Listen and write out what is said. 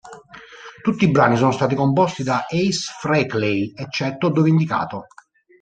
Tutti i brani sono stati composti da Ace Frehley, eccetto dove indicato.